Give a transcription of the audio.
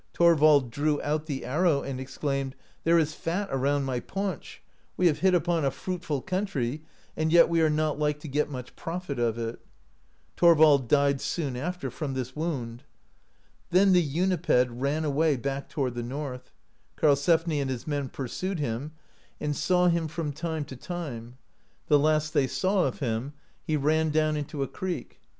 Thorvald drew out the arrow, and exclaimed : "There is fat around my paunch; we have hit upon a fruitful country, and yet we are not like to get much profit of It/* Thorvald died soon after from this wound. Then the Uniped ran away back toward the north, Karl sefni and his men pursued him, and saw him from time « 59 AMERICA DISCOVERED BY NORSEMEN to time. The last they saw of him, he ran down into a creek.